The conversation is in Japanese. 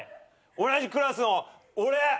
同じクラスの俺！